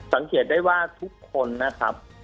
สังเกตได้ว่าทุกคนนะครับ